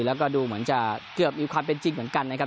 แล้วก็ดูเหมือนจะเกือบมีความเป็นจริงเหมือนกันนะครับ